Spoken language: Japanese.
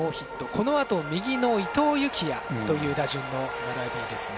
このあと右の伊藤裕季也という打順の並びですね。